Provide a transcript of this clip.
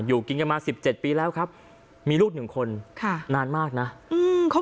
อยู่กินกันมาสิบเจ็ดปีแล้วครับมีลูกหนึ่งคนค่ะนานมากนะอืมเขา